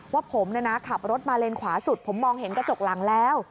ว่าผมขับรถมาเลนขวาสุดผมมองเห็นกระจกหลังแล้ว